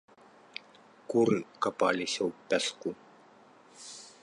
Куры капаліся ў пяску.